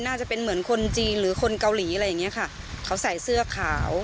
จะเป็นเหมือนคนจีนหรือคนเกาหลีอะไรอย่างเงี้ยค่ะเขาใส่เสื้อขาว